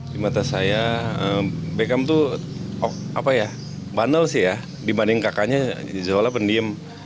di mata saya beckham tuh apa ya banel sih ya dibanding kakaknya jualan pendiem